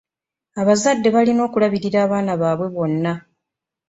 Abazadde balina okulabirira abaana baabwe bonna.